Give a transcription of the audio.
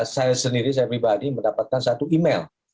saya sendiri saya pribadi mendapatkan satu email